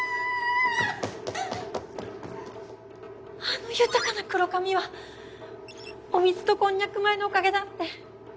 あの豊かな黒髪はお水とこんにゃく米のおかげだって。